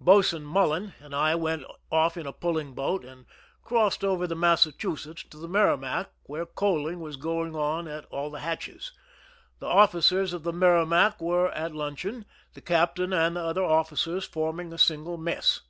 Boatswain Mullen and I went off in a puUing boat, and crossed over the Massachusetts to the Merrimac, where coaling was going on at all the hatches. The officers of the Merrimac were at luncheon, the captain and other officers forming a single mess.